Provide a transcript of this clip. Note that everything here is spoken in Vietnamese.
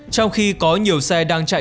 trong khi có nhiều xe đang chạy